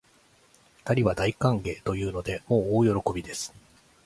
二人は大歓迎というので、もう大喜びです